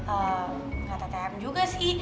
ehm gak ttm juga sih